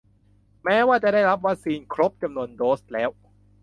แม้ว่าจะได้รับวัคซีนครบจำนวนโดสแล้ว